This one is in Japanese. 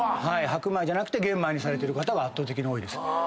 白米じゃなくて玄米にされてる方が圧倒的に多いです。